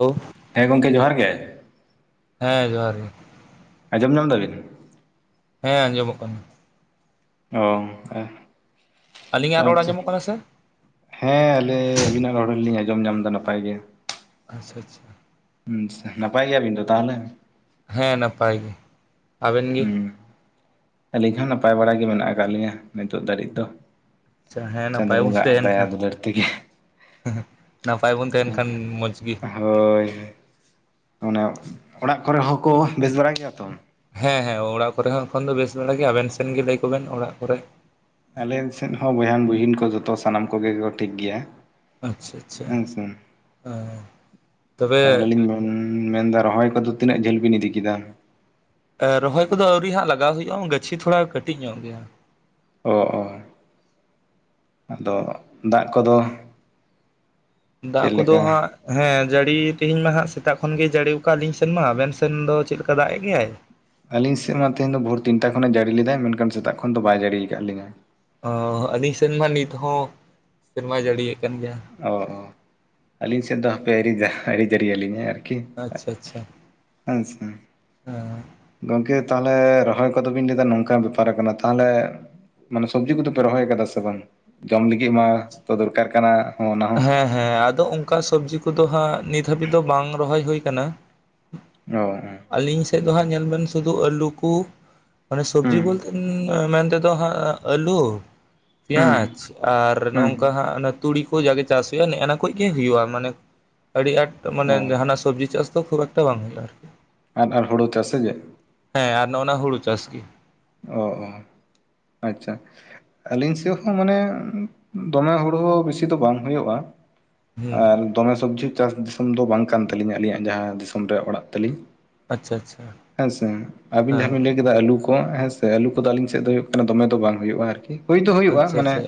ᱳ᱾ ᱦᱮᱸ ᱜᱚᱝᱠᱮ ᱡᱚᱦᱟᱨ ᱜᱮ᱾ ᱦᱮᱸ ᱡᱚᱦᱟᱨ ᱜᱮ᱾ ᱟᱸᱡᱚᱢ ᱧᱟᱢ ᱫᱟᱵᱤᱱ? ᱦᱮᱸ ᱟᱸᱡᱚᱢᱚᱜ ᱠᱟᱱᱟ᱾ ᱚ, ᱜᱚᱝᱠᱮ᱾ ᱟᱹᱞᱤᱧᱟᱜ ᱨᱚᱲ ᱟᱸᱡᱚᱢᱚᱜ ᱠᱟᱱᱟ ᱥᱮ? ᱦᱮᱸ ᱟᱞᱮ ᱟᱹᱵᱤᱱᱟᱜ ᱨᱚᱲ ᱦᱚᱞᱤᱧ ᱟᱸᱡᱚᱢ ᱧᱟᱢ ᱫᱟ ᱱᱟᱯᱟᱭ ᱜᱮ ᱾ ᱟᱪᱪᱷᱟ ᱟᱪᱪᱷᱟ᱾ ᱱᱟᱯᱟᱭ ᱜᱮᱭᱟᱵᱤᱱ ᱫᱚ ᱛᱟᱦᱚᱞᱮ? ᱦᱮᱸ ᱱᱟᱯᱟᱭ ᱜᱮ ᱾ ᱟᱵᱮᱱ ᱜᱮ? ᱦᱩᱸ ᱟᱹᱞᱤᱧ ᱦᱚᱸ ᱱᱟᱯᱟᱭ ᱵᱟᱲᱟ ᱜᱮ ᱢᱮᱱᱟᱜ ᱟᱠᱟᱫ ᱞᱤᱧᱟᱹ ᱱᱤᱛᱚᱜ ᱫᱷᱟᱹᱨᱤᱡ ᱫᱚ᱾ ᱟᱪᱪᱷᱟ ᱦᱮᱸ ᱪᱟᱸᱫᱳ ᱱᱟᱯᱟᱭ ᱵᱚᱱ ᱵᱚᱸᱜᱟᱦᱟᱜ ᱛᱟᱦᱮᱱ ᱫᱟᱭᱟ ᱠᱷᱟᱱ ᱫᱩᱞᱟᱹᱲ ᱛᱮᱜᱮ᱾ ᱱᱟᱯᱟᱭ ᱵᱚᱱ ᱛᱟᱦᱮᱱ ᱠᱷᱟᱱ ᱢᱚᱡᱽ ᱜᱮ ᱦᱳᱭ ᱚᱱᱮ ᱚᱲᱟᱜ ᱠᱚᱨᱮ ᱦᱚᱸᱠᱚ ᱵᱮᱥ ᱵᱟᱲᱟᱭ ᱜᱮᱭᱟ ᱛᱚ? ᱦᱮᱸ ᱦᱮᱸ ᱚᱲᱟᱜ ᱠᱚᱨᱮ ᱦᱚᱸ ᱮᱠᱷᱚᱱ ᱫᱚ ᱵᱮᱥ ᱵᱟᱲᱟ ᱜᱮ, ᱟᱵᱮᱱ ᱥᱮᱱ ᱜᱮ ᱞᱟᱹᱭ ᱠᱚᱵᱮᱱ ᱚᱲᱟᱜ ᱠᱚᱨᱮ? ᱟᱞᱮ ᱥᱮᱫ ᱦᱚᱸ ᱵᱚᱭᱦᱟᱱ ᱵᱩᱦᱤᱱ ᱠᱚ ᱡᱚᱛᱚ ᱥᱟᱱᱟᱢ ᱠᱚᱜᱮ ᱠᱚ ᱴᱷᱤᱠ ᱜᱮᱭᱟ᱾ ᱟᱪᱷᱟ ᱟᱪᱷᱟ, ᱦᱮᱸ ᱥᱮ ᱛᱚᱵᱮ ᱢᱮᱱ ᱮᱫᱟ ᱨᱚᱦᱚᱭ ᱠᱚᱫᱚ ᱛᱤᱱᱟᱹᱜ ᱡᱷᱟᱹᱞ ᱵᱤᱱ ᱤᱫᱤ ᱠᱮᱫᱟ? ᱮ ᱨᱚᱦᱚᱭ ᱠᱚᱫᱚ ᱟᱹᱣᱨᱤ ᱦᱟᱸᱜ ᱞᱟᱜᱟᱣ ᱦᱩᱭᱩᱜᱼᱟ ᱜᱟᱪᱷᱤ ᱛᱷᱚᱲᱟ ᱠᱟᱹᱴᱤᱡ ᱧᱚᱜ ᱜᱮᱭᱟ᱾ ᱚ ᱚ ᱟᱫᱚ ᱫᱟᱜ ᱠᱚᱫᱚ? ᱫᱟᱜ ᱪᱮᱫ ᱠᱚᱫᱚ ᱞᱮᱠᱟ? ᱦᱟᱸᱜ ᱦᱮᱸ ᱡᱟᱹᱲᱤ ᱛᱮᱦᱮᱧ ᱢᱟ ᱦᱟᱜ ᱥᱮᱛᱟᱜ ᱠᱷᱚᱱ ᱜᱮ ᱡᱟᱹᱲᱤ ᱣᱟᱠᱟᱫ ᱟᱞᱤᱧ ᱥᱮᱱ ᱢᱟ ᱟᱵᱮᱱ ᱥᱮᱱ ᱫᱚ ᱪᱮᱫ ᱞᱮᱠᱟ ᱫᱟᱜ ᱮᱫ ᱜᱮᱭᱟᱭ? ᱟᱹᱞᱤᱧ ᱥᱮᱫ ᱢᱟ ᱛᱮᱦᱮᱧ ᱟᱷᱚᱨ ᱛᱤᱱᱴᱟ ᱠᱷᱚᱮ ᱡᱟᱹᱲᱤ ᱞᱮᱫᱟ ᱢᱮᱱᱠᱷᱟᱱ ᱥᱮᱛᱟᱜ ᱠᱷᱚᱱ ᱫᱚ ᱵᱟᱭ ᱡᱟᱹᱲᱤ ᱟᱠᱟᱫ ᱞᱤᱧᱟᱹ᱾ ᱚ ᱦᱚ ᱟᱹᱞᱤᱧ ᱥᱮᱱ ᱢᱟ ᱱᱤᱛ ᱦᱚᱸ ᱥᱮᱨᱢᱟ ᱡᱟᱹᱲᱤᱭᱮᱫ ᱠᱟᱱ ᱜᱮᱭᱟ᱾ ᱚᱦᱚ ᱟᱹᱞᱤᱧ ᱥᱮᱫ ᱫᱚ ᱦᱟᱯᱮ ᱟᱹᱨᱤ ᱡᱟ ᱡᱟᱹᱲᱤ ᱟᱹᱞᱤᱧᱟ ᱟᱨ ᱟᱪᱪᱷᱟ ᱟᱪᱪᱷᱟ ᱦᱮᱸ ᱜᱚᱝᱠᱮ ᱛᱟᱦᱚᱞᱮ ᱨᱚᱦᱚᱭ ᱠᱚᱫᱚᱵᱤᱱ ᱞᱟᱹᱭᱫᱟ ᱱᱚᱝᱠᱟ ᱵᱮᱯᱟᱨ ᱠᱟᱱᱟ ᱛᱟᱦᱚᱞᱮ ᱢᱟᱱᱮ ᱥᱚᱵᱽᱡᱤ ᱠᱚᱫᱚ ᱯᱮ ᱨᱚᱦᱚᱭ ᱠᱟᱫᱟ ᱥᱮ ᱵᱟᱝ ᱜᱟᱢ ᱞᱤᱜᱤᱫ ᱢᱟ ᱛᱚ ᱫᱚᱨᱠᱟᱨ ᱠᱟᱱᱟ ᱚᱱᱟ ᱦᱚᱸ ᱾ ᱦᱮᱸ ᱦᱮᱸ ᱟᱫᱚ ᱚᱝᱠᱟ ᱥᱚᱵᱽᱡᱤ ᱠᱚᱫᱚ ᱦᱟᱸᱜ ᱱᱤᱛ ᱦᱟᱹᱵᱤᱡ ᱫᱚ ᱵᱟᱝ ᱨᱚᱦᱚᱭ ᱦᱳᱭ ᱠᱟᱱᱟ᱾ ᱚ, ᱟᱹᱞᱤᱧ ᱥᱮᱫ ᱫᱚ ᱦᱟᱸᱜ ᱧᱮᱞ ᱵᱮᱱ ᱥᱩᱫᱷᱩ ᱟᱹᱞᱩ ᱠᱩ ᱢᱟᱱᱮ ᱥᱚᱵᱽᱡᱤ ᱦᱩᱸ ᱵᱚᱞᱛᱮ ᱢᱮᱱ ᱛᱮᱫᱚ ᱦᱟᱸᱜ ᱟᱹᱞᱩ ᱦᱩᱸ ᱯᱮᱸᱭᱟᱡᱽ ᱟᱨ ᱦᱩᱸ ᱱᱚᱝᱠᱟ ᱦᱟᱸᱜ ᱟᱱᱮ ᱛᱩᱲᱤ ᱠᱚ ᱡᱟᱜᱮ ᱪᱟᱥ ᱦᱩᱭᱩᱜᱼᱟ ᱱᱮᱜᱼᱱᱟ ᱠᱚᱡ ᱜᱮ ᱦᱩᱭᱩᱜᱼᱟ ᱢᱟᱱᱮ ᱟᱹᱰᱤ ᱟᱸᱴ, ᱚ ᱢᱟᱱᱮ ᱡᱟᱦᱟᱱᱟ ᱥᱚᱵᱽᱡᱤ ᱪᱟᱥ ᱛᱚ ᱠᱷᱩᱵ ᱮᱠᱴᱟ ᱵᱟᱝ ᱦᱳᱭᱳᱜ-ᱟ ᱟᱨᱠᱤ᱾ ᱟᱨ ᱟᱨ ᱦᱳᱲᱤ ᱪᱟᱥ ᱥᱮ ᱪᱮᱫ? ᱦᱮᱸ ᱟᱨ ᱱᱚᱜ-ᱚ ᱱᱟ ᱦᱩᱲᱩ ᱪᱟᱥ ᱜᱮ᱾ ᱚᱻ ᱟᱪᱪᱷᱟ᱾ ᱟᱹᱞᱤᱧ ᱥᱮᱫ ᱦᱚᱸ ᱢᱟᱱᱮ ᱫᱚᱢᱮ ᱦᱳᱲᱳ ᱵᱮᱥᱤ ᱫᱚ ᱵᱟᱝ ᱦᱳᱭᱳᱜᱼᱟ᱾ ᱦᱩᱸ ᱟᱨ ᱫᱚᱢᱮ ᱥᱚᱵᱽᱡᱤ ᱪᱟᱥ ᱫᱤᱥᱚᱢ ᱫᱚ ᱵᱟᱝ ᱠᱟᱱ ᱛᱟᱹᱞᱤᱧᱟ ᱟᱹᱞᱤᱧᱟᱜ ᱡᱟᱦᱟᱸ ᱫᱤᱥᱚᱢ ᱨᱮ ᱚᱲᱟᱜ ᱛᱟᱹᱞᱤᱧ᱾ ᱟᱪᱪᱷᱟ ᱟᱪᱪᱷᱟ ᱦᱮᱸ ᱥᱮ ᱟᱹᱵᱤᱱ ᱡᱟᱦᱟᱸ ᱵᱤᱱ ᱞᱟᱹᱭ- ᱠᱤᱫᱟ ᱟᱹᱞᱩ ᱠᱚ ᱦᱮᱸ ᱥᱮ ᱟᱹᱞᱩ ᱠᱚᱫᱚ ᱟᱹᱞᱤᱧ ᱥᱮᱫ ᱫᱚ ᱦᱩᱭᱩᱜ ᱠᱟᱱᱟ ᱫᱚᱢᱮ ᱫᱚ ᱵᱟᱝ ᱦᱩᱭᱩᱜᱼᱟ, ᱟᱨᱠᱤ ᱦᱩᱭ ᱫᱚ ᱦᱩᱭᱩᱜᱼᱟ ᱟᱪᱪᱷᱟ ᱢᱟᱱᱮ, ᱟᱪᱪᱷᱟ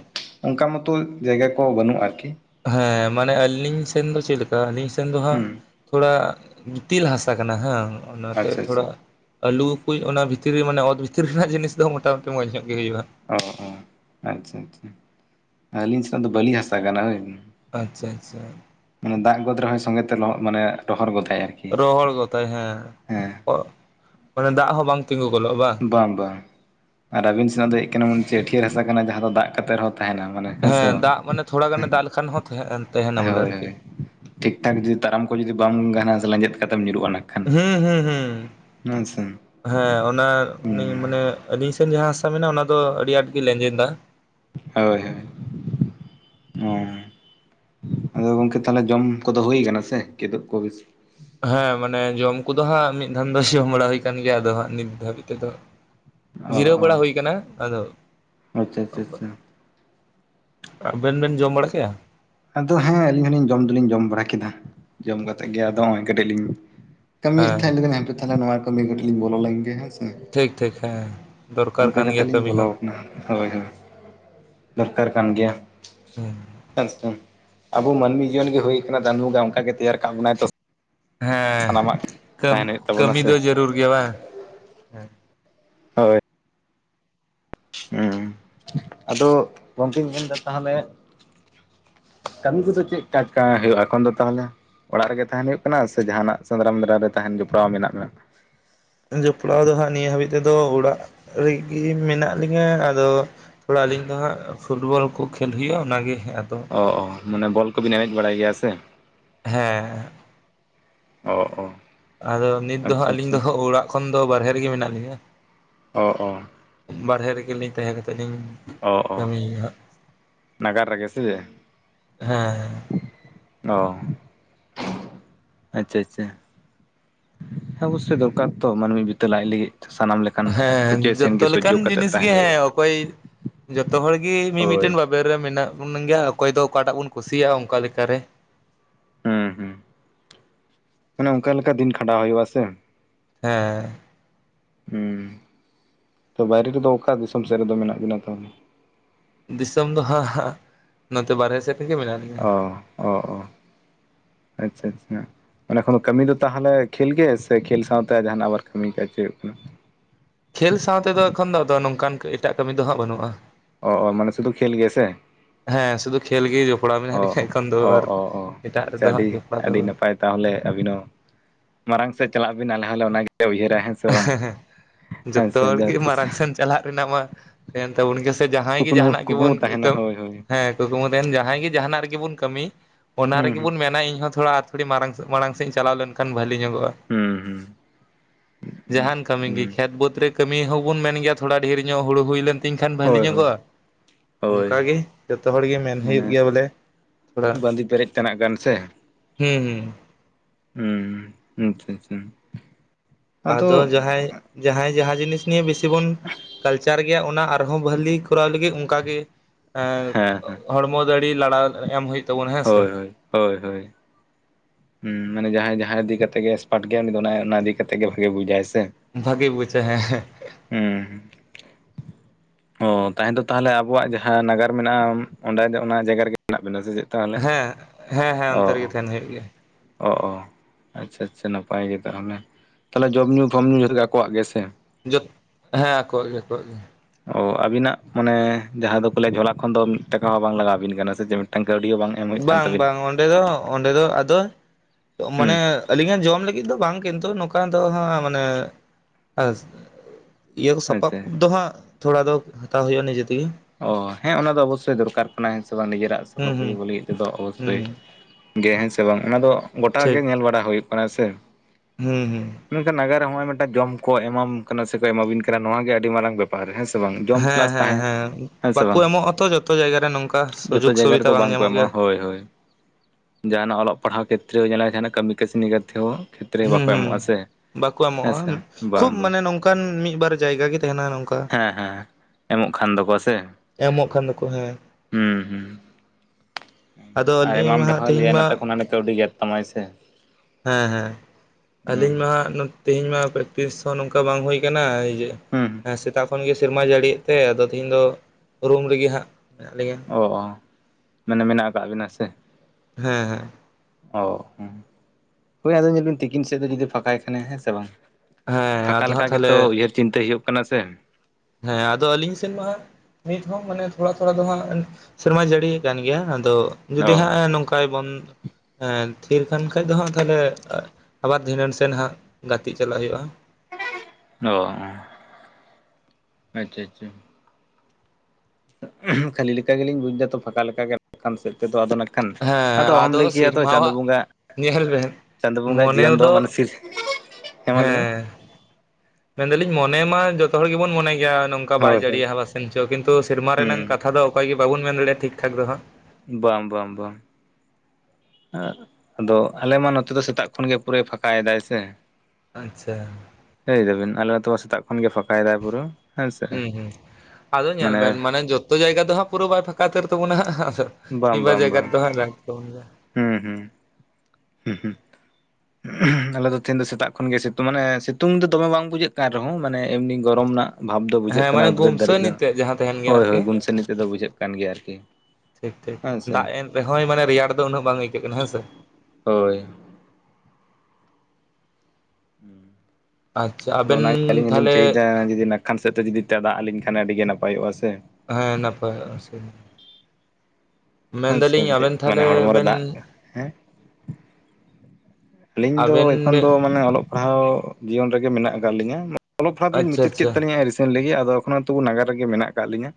ᱚᱝᱠᱟ ᱢᱚᱛᱚ ᱡᱟᱭᱜᱟ ᱠᱚᱦᱚᱸ ᱵᱟᱹᱱᱩᱜᱼᱟ ᱟᱨᱠᱤ ᱾ ᱦᱮᱸ ᱢᱟᱱᱮ ᱟᱹᱞᱤᱧ ᱥᱮᱱ ᱫᱚ ᱪᱮᱫ ᱞᱮᱠᱟ ᱟᱹᱞᱤᱧ ᱥᱮᱱ ᱫᱚ ᱦᱟᱸᱜ ᱦᱩᱸ ᱛᱷᱚᱲᱟ ᱜᱤᱛᱤᱞ ᱦᱟᱥᱟ ᱠᱟᱱᱟ ᱦᱟᱸᱜ, ᱚᱱᱟᱛᱮ ᱟᱪᱪᱷᱟ ᱛᱷᱚᱲᱟ ᱟᱪᱪᱷᱟ ᱟᱹᱞᱩ ᱠᱚ ᱚᱱᱟ ᱵᱷᱤᱛᱤᱨᱤ ᱢᱟᱱᱮ ᱚᱛ ᱵᱷᱤᱛᱤᱨ ᱨᱮᱱᱟᱜ ᱡᱤᱱᱤᱥ ᱫᱚ ᱢᱚᱴᱟᱢᱩᱴᱤ ᱢᱚᱸᱡᱽ ᱧᱚᱜ ᱜᱮ ᱦᱩᱭᱩᱜᱼᱟ᱾ ᱚ ᱚ ᱟᱪᱪᱷᱟ ᱟᱪᱪᱷᱟ, ᱟᱹᱞᱤᱧ ᱥᱮᱱᱟᱜ ᱫᱚ ᱵᱟᱹᱞᱤ ᱦᱟᱥᱟ ᱠᱟᱱᱟ ᱦᱳᱭ ᱾ ᱟᱪᱷᱟ ᱟᱪᱷᱟ᱾ ᱢᱟᱱᱮ ᱫᱟᱜ ᱜᱚᱫ ᱨᱮᱦᱚᱸᱭ ᱥᱚᱸᱜᱮᱛᱮ ᱞᱚᱦᱚᱜ ᱢᱟᱱᱮ ᱨᱚᱦᱚᱨ ᱜᱚᱫᱟᱭ ᱟᱨ ᱨᱚᱦᱚᱲ ᱜᱚᱛᱟᱭ ᱦᱮᱸ, ᱢᱟᱱᱮ ᱫᱟᱜ ᱦᱚᱸ ᱵᱟᱝ ᱛᱤᱸᱜᱩ ᱜᱚᱫᱚᱜᱼᱟ ᱵᱟᱝ, ᱵᱟᱝ ᱵᱟᱝ ᱟᱨ ᱟᱹᱵᱤᱱ ᱥᱮᱱᱟᱜ ᱫᱚ [inaudible] ᱢᱟᱱᱮ ᱪᱟᱹᱴᱭᱟᱹᱲ ᱦᱟᱥᱟ ᱠᱟᱱᱟ ᱡᱟᱦᱟᱸ ᱫᱚ ᱫᱟᱜ ᱠᱟᱛᱮ ᱨᱮᱦᱚᱸ ᱛᱟᱦᱮᱱᱟ᱾ ᱢᱟᱱᱮ ᱥᱮ ᱦᱮᱸ ᱵᱟᱝ ᱫᱟᱜ ᱢᱟᱱᱮ ᱛᱷᱚᱲᱟ ᱜᱟᱱᱮ ᱫᱟᱜ ᱞᱮᱠᱷᱟᱱ ᱦᱚᱸ ᱛᱟᱦᱮᱱᱟ ᱵᱚᱞᱮ ᱦᱳᱭ ᱟᱨᱠᱤ᱾ ᱦᱳᱭ ᱴᱷᱤᱠ ᱴᱷᱟᱠ ᱡᱩᱫᱤ ᱛᱟᱲᱟᱢ ᱠᱚ ᱡᱩᱫᱤ ᱵᱟᱢ ᱜᱟᱱᱟ ᱞᱮᱸᱡᱮᱫ ᱠᱟᱛᱮᱢ ᱧᱩᱨᱩᱜᱼᱟᱱᱟ᱾ ᱦᱩᱸ ᱦᱩᱸ ᱦᱩᱸ, ᱦᱮᱸ ᱚᱱᱟ ᱦᱩᱸ ᱢᱟᱱᱮ ᱟᱹᱞᱤᱧ ᱥᱮᱱ ᱡᱟᱦᱟᱸ ᱢᱮᱱᱟ ᱚᱱᱟ ᱫᱚ ᱟᱹᱰᱤ ᱟᱸᱴ ᱜᱮ ᱞᱮᱸᱡᱮ ᱫᱟ ᱦᱳᱭ ᱦᱳᱭ, ᱚᱸ ᱾ [inaudible] ᱟᱫᱚ ᱜᱚᱝᱠᱮ ᱛᱷᱟᱞᱮ ᱡᱚᱢ ᱠᱚᱫᱚ ᱦᱳᱭ ᱠᱟᱱᱟ ᱥᱮ ᱠᱮᱫᱚᱵ ᱠᱚ ᱵᱮᱥᱤ? ᱦᱮᱸ ᱢᱟᱱᱮ ᱡᱚᱢ ᱠᱚᱫᱚ ᱦᱟᱸᱜ ᱢᱤᱫ ᱫᱷᱟᱱ ᱫᱚ ᱡᱚᱢ ᱵᱟᱲᱟ ᱦᱩᱭ ᱠᱟᱱ ᱜᱮᱭᱟ ᱟᱫᱚ ᱦᱟᱸᱜ ᱱᱤᱛ ᱫᱷᱟᱹᱵᱤᱡ ᱛᱮᱫᱚ ᱚ ᱡᱤᱨᱟᱹᱣ ᱚ ᱵᱟᱲᱟ ᱦᱩᱭ ᱠᱟᱱᱟ ᱟᱫᱚ ᱟᱪᱪᱷᱟ ᱟᱪᱪᱷᱟ ᱟᱪᱪᱷᱟ ᱟᱵᱮᱱ ᱵᱮᱱ ᱡᱚᱢ ᱵᱟᱲᱟ ᱠᱮᱼᱟ? ᱟᱫᱚ ᱦᱮᱸ ᱟᱹᱞᱤᱧ ᱦᱚᱸᱞᱤᱧ ᱡᱚᱢ ᱫᱚᱞᱤᱧ ᱡᱚᱢ ᱵᱟᱲᱟ ᱠᱮᱫᱟ ᱡᱚᱢ ᱠᱟᱛᱮᱮᱫ ᱜᱮ ᱟᱫᱚ ᱱᱚᱜᱼᱚᱭ ᱠᱟᱹᱴᱤᱡ ᱞᱤᱧ ᱠᱟᱹᱢᱤᱭᱮᱫ ᱦᱮᱸ ᱛᱟᱦᱮᱸᱫ ᱱᱚᱣᱟ ᱠᱟᱹᱢᱤ ᱠᱟᱹᱴ ᱞᱤᱧ ᱵᱚᱞᱚ ᱞᱮᱱ ᱜᱮ ᱦᱮᱸᱥᱮ᱾ ᱴᱷᱤᱠ ᱴᱷᱤᱠ ᱦᱮᱸ ᱫᱚᱨᱠᱟᱨ ᱠᱟᱱ ᱠᱟᱛᱮᱫ ᱜᱮᱭᱟ ᱞᱤᱧ ᱠᱟᱹᱢᱤ ᱵᱚᱞᱚ ᱦᱚᱸ᱾ ᱦᱳᱭ ᱦᱳᱭ ᱫᱚᱨᱠᱟᱨ ᱠᱟᱱ ᱜᱮᱭᱟ ᱦᱮᱸ ᱟᱡ ᱠᱢ᱾ ᱟᱵᱚ ᱢᱟᱹᱱᱢᱤ ᱡᱤᱭᱚᱱ ᱜᱮ ᱦᱩᱭ ᱟᱠᱟᱱᱟ ᱫᱟᱹᱱᱩᱜᱟ ᱚᱱᱠᱟᱜ ᱜᱮ ᱛᱮᱭᱟᱨ ᱠᱟᱜ ᱵᱚᱱᱟᱭ ᱛᱚ᱾ ᱦᱮᱸ ᱥᱟᱱᱟᱢᱟᱜ ᱠᱟᱢ ᱛᱟᱦᱮᱱ ᱦᱩᱭᱩᱜ ᱛᱟᱵᱚᱱᱟ ᱠᱟᱹᱢᱤ ᱫᱚ ᱥᱮ ᱡᱟᱹᱨᱩᱲ ᱜᱮᱭᱟ ᱵᱟᱝ? ᱦᱳᱭ ᱦᱩ ᱟᱫᱚ ᱜᱚᱠᱮᱧ ᱢᱮᱱᱫᱟ ᱛᱟᱦᱚᱞᱮ ᱠᱟᱹᱢᱤ ᱠᱚᱫᱚ ᱪᱮᱫ ᱴᱟᱴᱠᱟ ᱦᱩᱭᱩᱜᱼᱟ ᱮᱠᱷᱚᱱ ᱫᱚ ᱛᱟᱦᱚᱞᱮ? ᱚᱲᱟᱜ ᱨᱮᱜᱮ ᱛᱟᱦᱮᱱ ᱦᱩᱭᱩᱜ ᱠᱟᱱᱟ ᱥᱮ ᱡᱟᱦᱟᱱᱟᱜ ᱥᱮᱸᱫᱽᱨᱟ ᱢᱮᱸᱫᱟᱨᱟ ᱨᱮ ᱛᱟᱦᱮᱱ ᱡᱚᱯᱲᱟᱣ ᱢᱮᱱᱟᱜ ᱢᱮ? ᱡᱚᱯᱲᱟᱣ ᱫᱚ ᱦᱟᱸᱜ ᱱᱤᱭᱟᱹ ᱦᱟᱹᱵᱤᱡ ᱛᱮᱫᱚ ᱚᱲᱟᱜ ᱨᱮᱜᱮ ᱢᱮᱱᱟᱜ ᱞᱤᱧᱟᱹ ᱟᱫᱚ ᱛᱷᱚᱲᱟ ᱟᱹᱞᱤᱧ ᱫᱚ ᱦᱟᱸᱟᱜ ᱯᱷᱩᱴᱵᱚᱞ ᱠᱚ ᱠᱷᱮᱞ ᱦᱩᱭᱩᱜᱼᱟ ᱚᱱᱟᱜᱮ ᱟᱫᱚ‍᱾ ᱚ ᱢᱟᱱᱮ ᱵᱚᱞ ᱠᱚᱵᱤᱱ ᱮᱱᱮᱡ ᱵᱟᱲᱟᱭ ᱜᱮᱭᱟ ᱥᱮ? ᱦᱮᱸ ᱚᱻ ᱟᱫᱚ ᱱᱤᱛ ᱫᱚ ᱦᱟᱸᱜ ᱟᱹᱞᱤᱧ ᱫᱚ ᱚᱲᱟᱜ ᱠᱷᱚᱱ ᱫᱚ ᱵᱟ. ᱨᱦᱮ ᱨᱮᱜᱮ ᱢᱮᱱᱟᱜ ᱞᱤᱧᱟ᱾ ᱚ ᱚ ᱵᱟᱨᱦᱮ ᱨᱮᱜᱮᱞᱤᱧ ᱛᱟᱦᱮᱸ ᱠᱟᱛᱮᱫ ᱞᱤᱧ᱾ ᱚ ᱚ ᱠᱟᱹᱢᱤ ᱭᱤᱧ ᱦᱟᱸᱜ᱾ ᱱᱟᱜᱟᱨ ᱨᱮᱜᱮ ᱥᱮ᱾ ᱦᱮᱸ ᱚ ᱟᱪᱪᱷᱟ. ᱪᱷᱟ. ᱾ ᱚᱵᱚᱥᱭ ᱫᱚᱨᱠᱟᱨ ᱛᱚ ᱢᱟᱹᱱᱢᱤ ᱵᱤᱫᱟᱹᱞ ᱟᱡ ᱞᱟᱹᱜᱤᱫ ᱥᱟᱱᱟᱢ ᱞᱮᱠᱟ ᱦᱮᱸ ᱡᱚᱛᱚ ᱞᱮᱠᱟᱱ ᱡᱤᱱᱤᱥ ᱜᱮ ᱦᱮᱸ ᱦᱩᱭᱩᱜᱼᱟ ᱚᱠᱚᱭ ᱡᱚᱛᱚ ᱦᱚᱲ ᱜᱮ ᱦᱳᱭ ᱢᱤᱢᱤᱫᱴᱮᱱ ᱵᱟ᱾ [unintelligible] ᱨᱮ ᱢᱮᱱᱟᱜ ᱵᱚᱱ ᱜᱮᱭᱟ ᱚᱠᱚᱭ ᱫᱚ ᱚᱠᱟᱴᱟᱜ ᱵᱚᱱ ᱠᱩᱥᱤᱭᱟᱜᱼᱟ ᱚᱱᱠᱟᱠᱟ ᱞᱮᱠᱟᱨᱮ᱾ ᱦᱩᱸ ᱦᱩᱸ ᱚᱱᱮ ᱚᱱᱠᱟ ᱞᱮᱠᱟ ᱫᱤᱱ ᱠᱷᱟᱸᱰᱟᱣ ᱦᱩᱭᱩᱜ ᱟ ᱥᱮ᱾ ᱦᱮᱸ ᱦᱩᱸ ᱛᱚ ᱵᱟᱦᱨᱮ ᱨᱮᱫᱚ ᱚᱠᱟ ᱫᱤᱥᱚᱢ ᱥᱮᱫ ᱨᱮᱫᱚ ᱢᱮᱱᱟᱜ ᱵᱤᱱᱟ ᱛᱟᱦᱞᱮ? ᱫᱤᱥᱚᱢ ᱫᱚ ᱦᱟᱸᱜ ᱱᱚᱛᱮ ᱵᱟᱨᱦᱮ ᱥᱮᱫ᱾ ᱨᱮᱜᱮ ᱢᱮᱱᱟᱜ ᱞᱤᱧᱟᱹ ᱚ ᱚ ᱟᱪᱷᱟ ᱪᱷᱟ᱾ ᱚᱱᱮ ᱠᱷᱚᱱ ᱠᱟᱹᱢᱤ ᱫᱚ ᱛᱟᱦᱚᱞᱮ ᱠᱷᱮᱞ ᱜᱮ ᱥᱮ ᱠᱷᱮᱞ ᱥᱟᱶᱛᱮ ᱡᱟᱦᱱᱟᱜ ᱣᱟᱨᱠ ᱠᱟᱹᱢᱤ ᱠᱟᱡ ᱦᱩᱭᱩᱜ ᱠᱟᱱᱟ? ᱠᱷᱮᱞ ᱥᱟᱶᱛᱮ ᱫᱚ ᱮᱠᱷᱚᱱ ᱫᱚ ᱱᱚᱝᱠᱟᱱ ᱮᱴᱟᱜ ᱠᱟᱹᱢᱤ ᱫᱚᱦᱟᱸᱜ ᱵᱟᱹᱱᱩᱜᱼᱟ᱾ ᱚ ᱚ ᱢᱟᱱᱮ ᱥᱤᱫᱷᱩ ᱠᱷᱮᱞ ᱜᱮ ᱥᱮ? ᱦᱮᱸ ᱥᱩᱫᱷᱩ ᱠᱷᱮᱞ ᱜᱮ ᱡᱚᱯᱲᱟᱣ ᱢᱮᱱᱟᱜ ᱚ ᱞᱤᱧᱟ ᱮᱠᱷᱟᱱᱫᱚ ᱚ ᱟᱨ ᱚ ᱚ ᱮᱴᱟᱜ ᱟᱪᱪᱷᱟ ᱨᱮᱫᱚ ᱦᱟᱸᱜ ᱟᱹᱰᱤ ᱡᱚᱯᱲᱟᱣ ᱫᱚ ᱟᱹᱰᱤ ᱦᱮᱸ ᱱᱟᱯᱟᱭ ᱛᱟᱦᱚᱞᱮ ᱟᱵᱤᱱ ᱦᱚᱸ ᱢᱟᱨᱟᱲᱟᱝ ᱥᱮᱫ ᱪᱟᱞᱟᱜ ᱵᱤᱱ ᱟᱞᱮ ᱦᱚᱸᱞᱮ ᱚᱱᱟᱜᱞᱮ ᱩᱭᱦᱟᱹᱨᱟ ᱦᱮᱸ ᱥᱮ ᱵᱟᱝ [unintelligible] ᱦᱮᱸ ᱡᱚᱛᱚ ᱥᱮ ᱦᱚᱲ ᱜᱮ ᱡᱟᱦᱟᱸ ᱛᱤᱥ ᱢᱟᱲᱟᱝ ᱥᱮᱱ ᱪᱟᱞᱟᱜ ᱨᱮᱱᱟᱜ ᱢᱟ᱾ ᱛᱟᱦᱮᱱ ᱛᱟᱵᱚᱱ ᱜᱮᱥᱮ ᱡᱟᱦᱟᱸᱟᱸᱭ ᱜᱮ ᱠᱩᱠᱢᱩ ᱡᱟᱦᱟᱱᱟᱜ ᱜᱮᱵᱚᱱ ᱠᱩᱠᱢᱩ ᱛᱟᱦᱮᱱᱟ ᱦᱳᱭ ᱦᱳᱭ ᱦᱮᱸ ᱠᱩᱠᱢᱩ ᱛᱟᱦᱮᱱ ᱡᱟᱦᱟᱸᱭ ᱜᱮ ᱡᱟᱦᱟᱱᱟᱜ ᱨᱮᱜᱮ ᱵᱚᱱ ᱠᱟᱹᱢᱤ ᱚᱱᱟ ᱦᱩᱸ ᱨᱮᱜᱮ ᱵᱚᱱ ᱢᱮᱱᱟ ᱤᱧ ᱦᱚᱸᱚᱸ ᱛᱷᱚᱲᱟ ᱟᱹᱰᱤ ᱢᱟᱨᱟᱝ ᱢᱟᱲᱟᱝ ᱥᱮᱫ ᱤᱧ ᱪᱟᱞᱟᱣ ᱞᱮᱱᱠᱷᱟᱱ ᱵᱷᱟ. ᱞᱤ ᱧᱚᱜᱚᱼᱟ᱾ ᱦᱩᱸ ᱦᱩᱸ ᱦᱩᱸ ᱡᱟᱦᱟᱱ ᱠᱟᱹᱢᱤ ᱜᱮ ᱦᱩᱸ ᱠᱷᱮᱛ ᱵᱟᱹᱫᱽ ᱨᱮ ᱠᱟᱹᱢᱤ ᱦᱚᱸᱵᱚᱱ ᱢᱮᱱ ᱜᱮᱭᱟ ᱛᱷᱚᱲᱟ ᱰᱷᱮᱨ ᱧᱚᱜ ᱦᱩᱲᱩ ᱦᱩᱭ ᱞᱮᱱ᱾ ᱛᱤᱧ ᱠᱷᱟᱱ ᱵᱷᱟᱞᱤ ᱦᱳᱭ ᱦᱳᱭ ᱧᱚᱜᱚᱜᱼᱟ ᱦᱳᱭ ᱚᱱᱠᱟᱜ ᱜᱮ ᱡᱚᱛᱚ ᱦᱚᱲ ᱜᱮ ᱢᱮᱱ ᱦᱩᱭᱩᱜ ᱢᱟᱱᱮ ᱜᱮᱭᱟ ᱵᱚᱞᱮ ᱛᱷᱚᱲᱟ ᱵᱟᱸᱫᱤ ᱯᱮᱨᱮᱡ ᱛᱮᱱᱟᱜ ᱠᱟᱱ ᱥᱮ ᱦᱩᱸ ᱦᱩᱸ ᱦᱮᱸ [unintelligible] [unintelligible] ᱟᱫᱚ ᱡᱟᱦᱟᱸᱭ ᱡᱟᱦᱟᱸᱭ ᱡᱟᱦᱟᱸ ᱡᱤᱱᱤᱥ ᱱᱤᱭᱟᱹ ᱵᱮᱥᱤ ᱵᱩᱱ ᱠᱟᱞᱪᱟᱨ ᱜᱮᱭᱟ ᱚᱱᱟ ᱟᱨᱦᱚᱸ ᱵᱷᱷᱟᱞᱤ ᱠᱚᱨᱟᱣ ᱞᱟᱹᱜᱤᱫ ᱚᱱᱠᱟᱜᱮ ᱦᱮᱸ ᱦᱮᱸ [unintelligible] ᱦᱚᱲᱢᱚ ᱫᱟᱲᱮ ᱞᱟᱲᱟᱣ ᱮᱢ ᱦᱩᱭᱩᱜ ᱛᱟᱵᱚᱱᱟ ᱦᱮᱸ ᱥᱮ ᱦᱳᱭ ᱦᱳᱭ ᱦᱳᱭ ᱦᱳᱭ᱾ ᱦᱩᱸ ᱢᱟᱱᱮ ᱡᱟᱦᱟᱸᱭ ᱡᱟᱦᱟᱸ ᱤᱫᱤ ᱠᱟᱛᱮᱜ ᱜᱮ ᱮᱠᱥᱯᱟᱴ ᱜᱮᱭᱟ ᱩᱱᱤ ᱫᱚ ᱚᱱᱟ ᱤᱫᱤ ᱠᱟᱛᱮᱜ ᱜᱮ ᱵᱷᱟᱜᱮ ᱵᱩᱡᱟᱭ ᱥᱮ᱾ ᱵᱷᱟᱜᱮᱭ ᱵᱩᱡᱷᱟᱜ ᱦᱮᱸ᱾ ᱦᱮᱸ᱾ [unintelligible] ᱚ ᱛᱟᱦᱮᱸ ᱫᱚ ᱛᱟᱦᱚᱞᱮ ᱟᱵᱚᱣᱟᱜ ᱡᱟᱦᱟᱸ ᱱᱟᱜᱟᱨ ᱢᱮᱱᱟᱜᱼᱟ ᱚᱸᱰᱮ ᱫᱚ ᱚᱱᱟ ᱡᱟᱭᱜᱟ ᱨᱮᱜᱮ ᱢᱮᱱᱟᱜ ᱵᱮᱱᱟ ᱥᱮ ᱪᱮᱫ? ᱛᱟᱦᱚᱞᱮ ᱦᱮᱸ ᱦᱮᱸ ᱦᱮᱸ ᱚᱱᱛᱮ ᱨᱮᱜᱮ ᱚ ᱛᱟᱦᱮᱱ ᱦᱩᱭᱩᱜ ᱜᱮᱭᱟ᱾ ᱚ ᱻᱚ ᱟᱪᱪᱷᱟ ᱟᱪᱪᱷᱟ ᱱᱟᱯᱟᱭ ᱜᱮ ᱛᱟᱦᱚᱞᱮ, ᱛᱟᱦᱚᱞᱮ ᱡᱚᱢᱼ ᱧᱩ ᱠᱚᱢᱼ ᱧᱩ ᱡᱚᱛᱚ ᱜᱮ ᱟᱠᱚᱣᱟᱜ ᱜᱮᱥᱮ? ᱡᱚᱛ [unintelligible] ᱦᱮᱸ ᱟᱠᱚᱣᱟᱜ ᱜᱮ ᱟᱠᱚᱣᱟᱜ ᱜᱮ᱾ ᱚ ᱟᱵᱤᱱᱟᱜ ᱢᱟᱱᱮ ᱡᱟᱦᱟᱸ ᱫᱚ ᱯᱟᱞᱮ ᱡᱷᱚᱞᱟ ᱠᱷᱚᱱ ᱫᱚ ᱢᱤᱫ ᱴᱟᱠᱟ ᱦᱚᱸ ᱵᱟᱝ ᱞᱟᱜᱟᱣᱵᱤᱱ ᱠᱟᱱᱟ ᱥᱮ ᱪᱮᱫ ᱵᱤᱱ [unintelligible] ᱠᱟᱹᱣᱰᱤ ᱵᱟᱝ ᱮᱢ ᱦᱩᱭᱩᱜ ᱠᱟᱱ ᱵᱟᱝ ᱛᱟᱵᱤᱱᱟ ᱵᱟᱝ ᱚᱸᱰᱮ ᱫᱚ ᱚᱸᱰᱮ ᱫᱚ ᱟᱫᱚ ᱦᱩᱸ ᱢᱟᱱᱮ ᱟᱹᱞᱤᱧ ᱡᱚᱢ ᱞᱟᱹᱼᱼ ᱫᱚ ᱵᱟᱝ ᱠᱤᱱᱛᱩ ᱱᱚᱝᱠᱟ ᱫᱚ [inaudible] ᱢᱟᱱᱮ ᱤᱭᱟᱹ ᱠᱚ ᱥᱟᱯᱟᱵ ᱟᱪᱪᱷᱟ ᱫᱚ ᱦᱟᱸᱜ ᱛᱷᱚᱲᱟ ᱫᱚ ᱦᱟᱛᱟᱣ ᱦᱩᱭᱩᱜᱼᱟ ᱱᱤᱡᱮ ᱛᱮᱜᱮ᱾ ᱚ ᱦᱮᱸ ᱚᱱᱟ ᱫᱚ ᱚᱵᱚᱥᱥᱳᱭ ᱫᱚᱨᱠᱟᱨ ᱠᱟᱱᱟ ᱦᱮᱸ ᱥᱮ ᱵᱟᱝ ᱱᱤᱡᱮᱨᱟᱜ ᱦᱩᱸ ᱥᱚᱯᱚᱦᱚᱫ ᱛᱮᱜᱮ ᱦᱩᱸ ᱵᱚ ᱞᱟᱹᱜᱤᱫ ᱛᱮᱫᱚ ᱦᱩᱸ ᱚᱵᱚᱥᱳᱭ᱾ ᱜᱮ ᱦᱮᱸ ᱥᱮ ᱵᱟᱝ? ᱚᱱᱟ ᱫᱚ ᱜᱚᱴᱟᱜ ᱜᱮ ᱴᱷᱤᱠ ᱧᱮᱞ ᱵᱟᱲᱟ ᱦᱩᱭᱩᱜ ᱠᱟᱱᱟ ᱥᱮ᱾ ᱦᱩᱸ ᱦᱩᱸ᱾ ᱢᱮᱱᱠᱷᱟᱱ ᱱᱟᱜᱟᱨ ᱨᱮ ᱦᱚᱸᱜ-ᱚᱭ ᱢᱤᱫᱴᱟᱝ ᱡᱚᱢ ᱠᱚ ᱮᱢᱟᱢ ᱠᱟᱱᱟ ᱥᱮ ᱠᱚ ᱮᱢᱟᱵᱤᱱ ᱠᱟᱱᱟ ᱱᱚᱣᱟ ᱜᱮ ᱟᱹᱰᱤ ᱢᱟᱨᱟᱝ ᱵᱮᱯᱼᱼ ᱟᱨ ᱦᱮᱸ ᱥᱮ ᱵᱟᱝ ᱡᱚᱢ ᱦᱮᱸ ᱯᱞᱟᱥ ᱦᱮᱸ ᱛᱟᱦᱮᱸ᱾ ᱦᱮᱸ ᱦᱮᱸ ᱥᱮ ᱵᱟᱠᱚ ᱵᱟᱝ ᱮᱢᱚᱜ ᱟᱛᱚ ᱡᱚᱛᱚ ᱡᱟᱭᱜᱟ ᱨᱮ ᱱᱚᱝᱠᱟ ᱥᱩᱡᱳᱜᱽ ᱡᱚᱛᱚ ᱡᱟᱭᱜᱟ ᱥᱩᱵᱤᱫᱷᱟ ᱨᱮᱫᱚ ᱵᱟᱝ ᱵᱟᱝᱠᱚ ᱧᱟᱢᱚᱜ ᱜᱮᱭᱟ᱾ ᱮᱢᱚᱜᱼᱟ ᱦᱳᱭ ᱦᱳᱭ, ᱡᱟᱦᱟᱱᱟᱜ ᱚᱞᱚᱜ ᱯᱟᱲᱦᱟᱣ ᱠᱷᱮᱛᱨᱮ ᱦᱚᱸ ᱧᱮᱞᱚᱜ ᱟᱭᱠᱷᱟᱱ ᱠᱟᱹᱢᱤ ᱠᱟᱹᱥᱱᱤ ᱠᱟᱛᱮ ᱦᱚᱸ ᱠᱷᱮᱛᱨᱮ ᱦᱩᱸ ᱵᱟᱠᱚ ᱦᱩᱸ ᱮᱢᱚᱜᱼᱟ ᱥᱮ ᱵᱟᱠᱚ ᱦᱮᱸ ᱮᱢᱚᱜᱼᱟ ᱥᱮ ᱵᱟᱝ ᱠᱷᱩᱵ ᱵᱟᱝ ᱢᱟᱱᱮ ᱱᱚᱝᱠᱟᱱ ᱢᱤᱫ ᱵᱟᱨ ᱡᱟᱭᱜᱟ ᱜᱮ ᱛᱟᱦᱮᱱᱟ ᱱᱚᱼᱼ ᱦᱮᱸ ᱦᱮᱸ ᱮᱢᱚᱜ ᱠᱷᱟᱱ ᱫᱚᱠᱚ ᱥᱮ᱾ ᱮᱢᱚᱜ ᱠᱷᱟᱱ ᱫᱚᱠᱚ ᱦᱮᱸ᱾ ᱦᱩᱸ ᱦᱩᱸ ᱦᱩᱸ ᱾ ᱟᱫᱚ ᱟᱹᱞᱤᱧ ᱟᱭᱢᱟᱢ ᱢᱟ ᱦᱟᱸᱜ ᱰᱟᱦᱟᱣ ᱛᱮᱦᱮᱧ ᱞᱮᱭᱟ ᱢᱟ ᱱᱟᱛᱮ ᱠᱷᱚᱱ ᱦᱟᱱᱮ ᱠᱟᱹᱣᱰᱤ ᱜᱮᱛ ᱛᱟᱢᱟᱭ ᱥᱮ᱾ ᱦᱮᱸ ᱦᱮᱸ ᱦᱩᱸ ᱟᱹᱞᱤᱧ ᱢᱟ ᱱᱩᱜ ᱛᱮᱦᱮᱧ ᱢᱟ ᱯᱮᱠᱴᱤᱥ ᱦᱚᱸ ᱱᱚᱝᱠᱟ ᱵᱟᱝ ᱦᱩᱭ ᱟᱠᱟᱱᱟ ᱡᱮ ᱦᱩᱸ ᱦᱩᱸ ᱥᱮᱛᱟᱜ ᱠᱷᱚᱱ ᱜᱮ ᱥᱮᱨᱢᱟᱭ ᱡᱟᱹᱲᱤᱭᱮᱫ ᱛᱮ ᱟᱫᱚ ᱛᱮᱦᱤᱧ ᱫᱚ ᱨᱩᱢ ᱨᱮᱜᱮ ᱦᱟᱸᱜ᱾ ᱢᱮᱱᱟᱜ ᱞᱤᱧᱟᱹ ᱚ, ᱚ ᱢᱟᱱᱮ ᱢᱮᱱᱟᱜ ᱟᱠᱟᱜ ᱵᱤᱱᱟ ᱥᱮ᱾ ᱦᱮᱸ ᱦᱮᱸ ᱚ, ᱦᱳᱭ ᱟᱫᱚ ᱧᱮᱞ ᱵᱤᱱ ᱛᱤᱠᱤᱱ ᱥᱮᱫ ᱫᱚ ᱡᱩᱫᱤ ᱯᱷᱟᱸᱠᱟᱭ ᱠᱷᱟᱱᱮ ᱦᱮᱸ ᱥᱮ ᱵᱟᱝ? ᱦᱮᱸ ᱯᱷᱟᱠᱟ ᱟᱫᱚ ᱞᱮᱠᱟ ᱦᱟᱸᱜ ᱜᱮᱛᱚ ᱛᱟᱦᱚᱞᱮ ᱩᱭᱦᱟᱹᱨ ᱪᱤᱱᱛᱟᱹᱭ ᱦᱩᱭᱩᱜ ᱠᱟᱱᱟ ᱥᱮ᱾ ᱦᱮᱸ ᱟᱫᱚ ᱟᱹᱞᱤᱧ ᱥᱮᱱ ᱢᱟ ᱦᱟᱸᱜ ᱱᱤᱛ ᱦᱚᱸ ᱢᱟᱱᱮ ᱛᱷᱚᱲᱟ ᱛᱷᱚᱲᱟ ᱫᱚ ᱦᱟᱸᱜ ᱥᱮᱨᱢᱟ ᱡᱟᱹᱲᱤᱭᱮᱜ ᱠᱟᱱ ᱜᱮᱭᱟ ᱟᱫᱚ, ᱡᱩᱫᱤ ᱚ ᱦᱟᱸᱜ ᱱᱚᱝᱠᱟᱭ ᱵᱚᱱᱼᱼ ᱛᱷᱤᱨ ᱠᱟᱱ ᱠᱷᱟᱡ ᱫᱚ ᱦᱟᱸᱜ ᱛᱟᱦᱞᱮ ᱟᱵᱟᱨ ᱫᱷᱤᱱᱟᱹᱱ ᱥᱮᱱ ᱦᱟᱸᱜ ᱜᱟᱛᱮᱜ ᱪᱟᱞᱟᱜ ᱦᱩᱭᱩᱜᱼᱟ᱾ ᱚ......, ᱟᱪᱪᱷᱟ ᱟᱪᱪᱷᱟ᱾ [inaudible] ᱠᱷᱟᱹᱞᱤ ᱞᱮᱠᱟ ᱜᱮᱞᱤᱧ ᱵᱩᱡᱽ ᱮᱫᱟ ᱛᱚ ᱯᱷᱟᱠᱟ ᱞᱮᱠᱟ ᱜᱮ ᱪᱮᱛᱟᱱ ᱥᱮᱫ ᱛᱮᱫᱚ ᱟᱫᱚ᱾ ᱠᱟᱱ ᱦᱮᱸ ᱟᱫᱚ ᱚᱦᱚᱢ ᱞᱟᱹᱭ ᱠᱮᱭᱟ ᱛᱚ ᱪᱟᱸᱫᱚ ᱥᱮᱨᱢᱟᱣᱟᱜ ᱵᱚᱸᱜᱟ, ᱧᱮᱞ ᱵᱮᱱ ᱪᱟᱸᱫᱚ ᱵᱚᱸᱜᱟᱜ ᱡᱤᱭᱚᱱ ᱫᱚ ᱢᱟᱱᱮ ᱥᱤᱨᱼᱼ ᱦᱮᱸ ᱢᱮᱱ ᱫᱟᱹᱞᱤᱧ ᱢᱚᱱᱮ ᱢᱟ ᱡᱚᱛᱚ ᱦᱚᱲ ᱜᱮᱵᱚᱱ ᱢᱚᱱᱮ ᱜᱮᱭᱟ ᱱᱚᱝᱼᱼ ᱚᱱᱠᱟ ᱵᱟᱭ ᱦᱳᱭ ᱦᱳᱭ ᱡᱟᱹᱲᱤᱭᱟ ᱵᱟᱥᱮᱱ ᱪᱚ ᱠᱤᱱᱛᱩ ᱥᱮᱨᱢᱟ ᱨᱮᱱᱟᱝ ᱦᱩᱸ ᱠᱟᱛᱷᱟ ᱫᱚ ᱚᱠᱚᱭ ᱜᱮ ᱵᱟᱵᱚᱱ ᱢᱮᱱ ᱫᱟᱲᱮᱭᱜ-ᱟ ᱴᱷᱤᱠ ᱴᱷᱟᱠ ᱫᱚ ᱦᱟᱸᱜ᱾ ᱵᱟᱝ ᱵᱟᱝ ᱵᱟᱝ᱾ ᱟᱫᱚ ᱟᱞᱮ ᱢᱟ ᱱᱚᱛᱮ ᱫᱚ ᱥᱮᱛᱟᱜ ᱠᱷᱚᱱᱜᱮ ᱯᱩᱨᱟᱹᱭ ᱯᱷᱟᱠᱟᱭᱮᱫᱟᱭ ᱥᱮ᱾ ᱟᱪᱪᱷᱟ᱾ ᱞᱟᱹᱭ ᱫᱟᱵᱤᱱ ᱟᱞᱮ ᱟᱛᱚ ᱢᱟ ᱥᱮᱛᱟᱜ ᱠᱷᱚᱱᱜᱮ ᱯᱷᱟᱠᱟᱭᱮᱫᱟᱭ ᱯᱩᱨᱟᱹ ᱦᱮᱸ ᱥᱮ᱾ ᱦᱩᱸ ᱦᱩᱸ ᱟᱫᱚ ᱧᱮᱞ ᱵᱮᱱ ᱢᱟᱱᱮ ᱡᱚᱛᱼᱼ ᱡᱚᱛᱚ ᱡᱟᱭᱜᱟ ᱫᱚ ᱦᱟᱸᱜ ᱯᱩᱨᱟᱹ ᱵᱟᱭ ᱯᱷᱟᱠᱟ ᱩᱛᱟᱹᱨ ᱛᱟᱵᱚᱱᱟᱦᱟᱸᱜ ᱟᱫᱚ ᱵᱟᱝ ᱢᱤᱫ ᱵᱟᱨ ᱵᱟᱝ ᱡᱟᱭᱜᱟ ᱵᱟᱝ ᱨᱮᱫᱚ ᱦᱟᱸᱜ ᱫᱟᱜᱽ ᱛᱟᱵᱚᱱ ᱜᱮᱭᱟ᱾ ᱦᱩᱸ ᱦᱩᱸ ᱦᱩᱸ ᱦᱩᱸ [unintelligible] ᱟᱞᱮ ᱫᱚ ᱛᱮᱦᱮᱧ ᱫᱚ ᱥᱮᱛᱟᱜ ᱠᱷᱚᱱᱜᱮ ᱥᱤᱛᱩᱝ ᱢᱟᱱᱮ ᱥᱤᱛᱩᱝ ᱫᱚ ᱫᱚᱢᱮ ᱵᱟᱝ ᱵᱩᱡᱷᱟᱹᱜ ᱠᱟᱱ ᱨᱮᱦᱚᱸ ᱢᱟᱱᱮ ᱮᱢᱱᱤ ᱜᱚᱨᱚᱢ ᱨᱮᱱᱟᱜ ᱵᱷᱟᱵᱽ ᱫᱚ ᱵᱩᱡᱷᱟᱹᱜ ᱦᱮᱸ ᱠᱟᱱᱟ ᱢᱟᱱᱮ ᱩᱫᱽᱜᱟᱹᱨ ᱫᱷᱟᱲᱤᱡ ᱜᱩᱢᱥᱟᱱᱤ ᱨᱮᱦᱚᱸ ᱛᱮᱫ ᱡᱟᱦᱟᱸ ᱛᱟᱦᱮᱱ ᱜᱮᱭᱟ ᱦᱳᱭ ᱟᱨᱠᱤ ᱦᱳᱭ ᱜᱩᱱᱥᱟᱱᱤ ᱛᱮᱫᱚ ᱵᱩᱡᱷᱟᱹᱜ ᱠᱟᱱ ᱜᱮᱭᱟ ᱟᱨᱠᱤ ᱴᱷᱤᱠ ᱴᱷᱤᱠ ᱦᱮᱸ ᱥᱮ ᱫᱟᱜ ᱮᱱ ᱨᱮᱦᱚᱸᱭ ᱢᱟᱱᱮ ᱨᱮᱭᱟᱲ ᱫᱚ ᱩᱱᱟᱹᱜ ᱵᱟᱝ ᱟᱹᱭᱠᱟᱹᱜ ᱠᱟᱱᱟ ᱦᱮᱸᱥᱮ ᱦᱳᱭ ᱦᱩᱸ ᱟᱪᱪᱷᱟ ᱟᱫᱚ ᱚᱱᱟᱜᱮ ᱟᱵᱮᱱ ᱟᱞᱤᱧ ᱦᱚᱞᱤᱧ ᱛᱟᱦᱚᱞᱮ ᱪᱟᱹᱭᱮᱫᱟ ᱡᱩᱫᱤ ᱱᱟ ᱠᱷᱟᱱ ᱥᱮᱫᱛᱮ ᱡᱩᱫᱤ ᱛᱮ ᱫᱟᱜ ᱟᱹᱞᱤᱧ ᱠᱷᱟᱱ ᱟᱹᱰᱤ ᱜᱮ ᱱᱟᱯᱟᱭᱚᱜᱼᱟ ᱥᱮ ᱦᱮᱸ ᱱᱟᱯᱟᱭᱚᱜᱼᱟ ᱥᱮ ᱦᱮᱸ ᱥᱮ ᱢᱮᱱᱫᱟᱞᱤᱧ ᱠᱟᱹᱴᱤᱡ ᱟᱵᱮᱱ ᱢᱟᱱᱮ ᱛᱟᱦᱞᱮ ᱦᱚᱲᱢᱚ ᱨᱮ ᱵᱮᱱ ᱫᱟᱜ ᱦᱮᱸ ᱟᱹᱞᱤᱧ ᱫᱚ ᱟᱵᱮᱱ ᱮᱠᱷᱚᱱ ᱵᱮᱱ ᱫᱚ ᱢᱟᱱᱮ ᱚᱞᱚᱜ ᱯᱟᱲᱦᱟᱣ ᱡᱤᱭᱚᱱ ᱨᱮᱜᱮ ᱢᱮᱱᱟᱜ ᱟᱠᱟᱫ ᱞᱤᱧᱟᱹ ᱚᱞᱚᱜ ᱯᱟᱲᱦᱟᱜ ᱞᱤᱧ ᱟᱪᱪᱷᱟ ᱢᱩᱪᱟᱹᱫ ᱠᱮᱫ ᱟᱪᱪᱷᱟ ᱛᱟᱹᱞᱤᱧᱟ ᱨᱤᱥᱮᱱᱴ ᱞᱮᱜᱮ ᱟᱫᱚ ᱮᱠᱷᱚᱱᱳ ᱛᱚᱵᱩ ᱱᱟᱜᱟᱨ ᱨᱮᱜᱮ ᱢᱮᱱᱟᱜ ᱟᱠᱟᱫ ᱞᱤᱧᱟᱹ᱾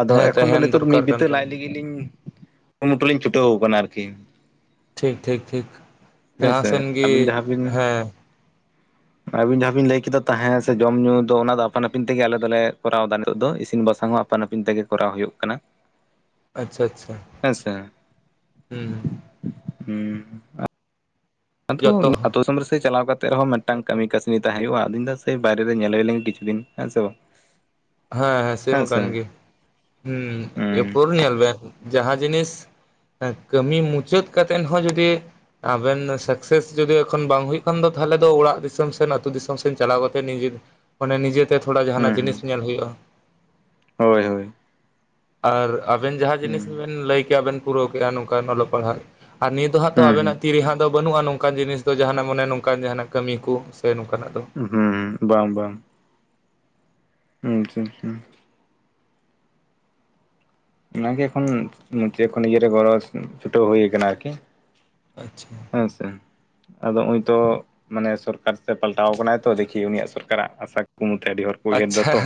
ᱟᱫᱚ ᱦᱮᱸ ᱮᱠᱷᱚᱱ ᱫᱚ ᱛᱟᱦᱮᱱ ᱱᱤᱛᱚᱜ ᱫᱚ ᱢᱤᱫ ᱫᱚᱨᱠᱟᱨ ᱵᱤᱛᱟᱹ ᱠᱟᱱ ᱞᱟᱡ ᱛᱟᱵᱚᱱᱟ ᱞᱟᱹᱜᱤᱫ ᱞᱤ ᱠᱩᱨᱩᱢᱩᱴᱩ ᱞᱤᱧ ᱪᱷᱩᱴᱟᱹᱣ ᱟᱠᱟᱱᱟ ᱟᱨᱠᱤ᱾ ᱴᱷᱤᱠ ᱴᱷᱤᱠ ᱴᱷᱤᱠ, ᱡᱟᱦᱟᱸ ᱦᱮᱸᱥᱮ ᱥᱮᱱ ᱜᱮ ᱟᱹᱵᱤᱱ ᱦᱮᱸ᱾ ᱟᱵᱤᱱ ᱡᱟᱦᱟᱸ ᱵᱤᱱ ᱞᱟᱹᱭ ᱠᱮᱫᱟ ᱛᱟᱦᱮᱸ ᱥᱮ ᱡᱚᱢ ᱧᱩ ᱫᱚ ᱚᱱᱟ ᱫᱚ ᱟᱯᱟᱱ ᱟᱹᱯᱤᱱ ᱛᱮᱜᱮ ᱟᱞᱮ ᱫᱚᱞᱮ ᱠᱚᱨᱟᱣ ᱮᱫᱟ ᱱᱤᱛᱚᱜ ᱫᱚ ᱤᱥᱤᱱ ᱵᱟᱥᱟᱝ ᱦᱚᱸ ᱟᱯᱟᱱ ᱟᱹᱯᱤᱱ ᱛᱮᱜᱮ ᱠᱚᱨᱟᱣ ᱦᱩᱭᱩᱜ ᱠᱟᱱᱟ [unintelligible] ᱟᱪᱪᱷᱟ ᱦᱮᱸ ᱥᱮ ᱦᱩᱸ ᱦᱩᱸ ᱟᱫᱚ ᱡᱚᱛᱚ ᱟᱛᱳ ᱫᱤᱥᱚᱢ ᱨᱮ ᱥᱮᱹᱭ ᱪᱟᱞᱟᱣ ᱠᱟᱛᱮᱫ ᱨᱮᱦᱚᱸ‌ ᱢᱤᱫᱴᱮᱱ [unintelligible] ᱢᱤᱫᱴᱟᱝ ᱠᱟᱹᱢᱤ ᱠᱟᱹᱥᱱᱤ ᱛᱟᱦᱮᱸ ᱦᱩᱭᱩᱜᱼᱟ ᱟᱫᱚᱧ ᱞᱟᱹᱭᱫᱟ ᱥᱮᱭ ᱵᱟᱭᱨᱮ ᱧᱮᱞ ᱦᱩᱭ ᱞᱮᱱ ᱠᱤᱪᱷᱩ ᱫᱤᱱ ᱦᱮᱸ ᱥᱮ ᱵᱟᱝ ᱦᱮᱸ ᱦᱮᱸ ᱥᱮᱢᱟ ᱠᱟᱱ ᱜᱮ ᱦᱩᱸ ᱦᱩᱸ ᱮᱯᱚᱨ ᱧᱮᱞ ᱵᱮᱱ ᱡᱟᱦᱟᱸ ᱡᱤᱱᱤᱥ ᱦᱮᱸ ᱠᱟᱹᱢᱤ ᱢᱩᱪᱟᱹᱫ ᱠᱟᱛᱮᱫ ᱦᱚᱸ ᱡᱩᱫᱤ ᱟᱵᱮᱱ ᱥᱟᱠᱥᱮᱥ ᱡᱩᱫᱤ ᱮᱠᱷᱚᱱ ᱵᱟᱝ ᱦᱩᱭᱩᱜ ᱠᱷᱟᱱ ᱫᱚ ᱛᱟᱦᱞᱮ ᱫᱚ ᱚᱲᱟᱜ ᱫᱤᱥᱚᱢ ᱥᱮᱱ ᱟᱹᱛᱩ ᱫᱤᱥᱚᱢ ᱥᱮᱱ ᱪᱟᱞᱟᱣ ᱠᱟᱛᱮ ᱱᱤᱡᱮᱨ ᱚᱱᱮ ᱱᱤᱡᱮᱛᱮ ᱛᱷᱚᱲᱟ ᱦᱩᱸ ᱡᱟᱦᱟᱱᱟᱜ ᱦᱩᱸ ᱡᱤᱱᱤᱥ ᱧᱮᱞ ᱦᱩᱭᱩᱜᱼᱟ ᱦᱳᱭ ᱦᱳᱭ ᱟᱨ ᱟᱵᱮᱱ ᱡᱟᱦᱟᱸ ᱡᱤᱱᱤᱥ ᱦᱩᱸ ᱜᱮ ᱵᱮᱱ ᱞᱟᱹᱭ ᱠᱮᱭᱟ ᱵᱮᱱ ᱯᱩᱨᱟᱹᱣ ᱠᱮᱜᱼᱟ ᱱᱚᱝᱠᱟᱱ ᱚᱞᱚᱜ ᱯᱟᱲᱦᱟᱜ ᱟᱨ ᱱᱤᱭᱟᱹ ᱫᱚ ᱦᱟᱸᱜ ᱛᱚ ᱦᱩᱸ ᱟᱵᱮᱱᱟᱜ ᱛᱤ ᱨᱮ ᱦᱟᱸᱜ ᱫᱚ ᱵᱟᱹᱱᱩᱜᱼᱟ ᱱᱚᱝᱠᱟᱱ ᱡᱤᱱᱤᱥ ᱫᱚ ᱡᱟᱦᱟᱱᱟᱜ ᱢᱟᱱᱮ ᱱᱚᱝᱠᱟᱱ ᱡᱟᱦᱟᱱᱟᱜ ᱠᱟᱹᱢᱤ ᱠᱚ ᱥᱮ ᱱᱚᱝᱠᱟᱱᱟᱜ ᱫᱚ ᱦᱩᱸ ᱵᱟᱝ ᱵᱟᱝ ᱦᱩᱸ ᱟᱪᱪᱷᱟ ᱪᱷᱟ ᱚᱱᱟᱜᱮ ᱮᱠᱷᱚᱱ ᱢᱩᱪᱟᱹᱫ ᱠᱷᱚᱱ ᱤᱭᱟᱹᱨᱮ ᱜᱚᱲᱚ ᱪᱩᱴᱟᱹᱣ ᱦᱩᱭ ᱠᱟᱱᱟ ᱟᱨᱠᱤ ᱟᱪᱪᱷᱟ ᱦᱮᱸ ᱥᱮ ᱟᱫᱚ ᱦᱩᱸᱜ-ᱩᱭ ᱛᱚ ᱢᱟᱱᱮ ᱥᱚᱨᱠᱟᱨ ᱥᱮ ᱯᱟᱞᱴᱟᱣ ᱠᱟᱱᱟᱭ ᱛᱚ ᱫᱮᱠᱷᱤ ᱩᱱᱤᱭᱟᱜ ᱥᱚᱨᱠᱟᱨᱟᱜ ᱟᱥᱟ ᱠᱩᱠᱢᱩ ᱛᱮ ᱟᱹᱰᱤ ᱦᱚᱲ ᱠᱚ ᱩᱭᱦᱟᱹᱨ ᱮᱫᱟ ᱟᱪᱪᱷᱟ ᱛᱚ